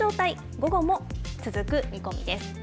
午後も続く見込みです。